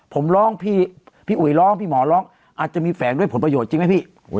ผมร้องพี่อุ๋ยร้องพี่หมอร้องอาจจะมีแฝงด้วยผลประโยชน์จริงไหมพี่